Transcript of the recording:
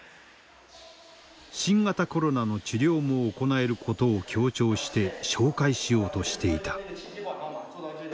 新型コロナの治療も行えることを強調して紹介しようとしていた。